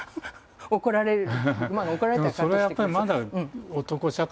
怒られる？